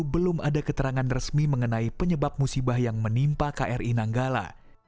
belum ada keterangan resmi mengenai penyebab musibah yang menimpa kri nanggala